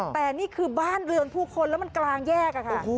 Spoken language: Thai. แต่นี่คือบ้านเรือนผู้คนแล้วมันกลางแยกค่ะ